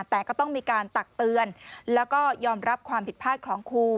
แต่ก็ต้องมีการตักเตือนแล้วก็ยอมรับความผิดพลาดของครู